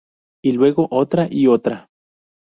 Y luego otra, y otra.